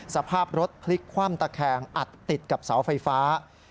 สภาพรถพลิกคว่ำตะแคงอัดติดกับเสาไฟฟ้า